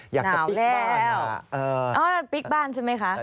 หนาวแล้วอ๋อปลิ๊กบ้านใช่ไหมคะปีใหม่ตีใหม่